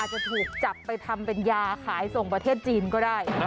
จะถูกจับไปทำเป็นยาขายส่งประเทศจีนก็ได้